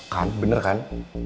kan bener kan